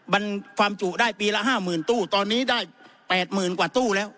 บรรความจุได้ปีละห้าหมื่นตู้ตอนนี้ได้แปดหมื่นกว่าตู้แล้ว